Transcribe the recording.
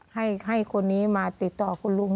ให้คนนี้มาติดต่อคุณลุง